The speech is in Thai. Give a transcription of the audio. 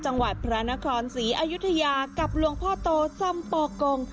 จังหวัดพระนครศรีอยุธยากับหลวงพ่อโตสัมปอกง